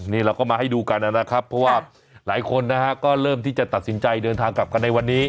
นี่เราก็มาให้ดูกันนะครับเพราะว่าหลายคนนะฮะก็เริ่มที่จะตัดสินใจเดินทางกลับกันในวันนี้